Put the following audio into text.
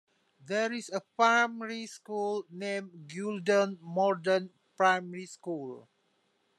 There is a primary school, named Guilden Morden Primary School.